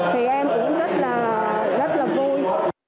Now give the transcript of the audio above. thì em cũng rất là vui